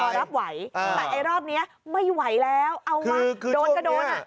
พอรับไหวอ่าแต่ไอ้รอบเนี้ยไม่ไหวแล้วเอาวะโดนก็โดนอ่ะคือคือช่วงเนี้ย